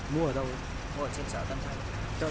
mua ở trên xe tân thanh